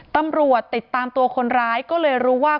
ตำรวจติดตามตัวคนร้ายก็เลยรู้ว่า